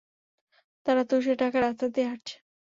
তারা তুষার ঢাকা রাস্তাতেই হাঁটছে!